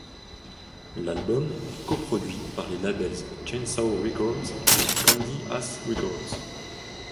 L'album est coproduit par les labels Chainsaw Records et Candy Ass Records.